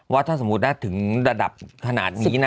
ว่าถ้าสมมุติถึงระดับขนาดนี้นะ